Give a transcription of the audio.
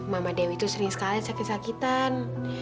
mama dewi itu sering sekali sakit sakitan